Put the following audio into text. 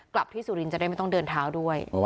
ที่สุรินทร์จะได้ไม่ต้องเดินเท้าด้วย